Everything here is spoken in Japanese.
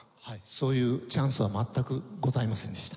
そういうチャンスは全くございませんでした。